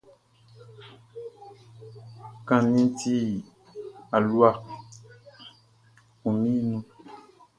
Kanʼni ti, alua kunnin mi.